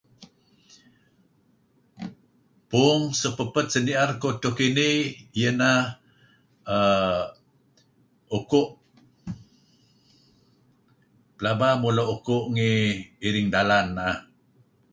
Puung suk paped sinier uih edto kinih iyeh ineh uhm uku' pelaba mula' uku ngi iring dalan naah.